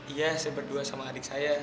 iya saya berdua sama adik saya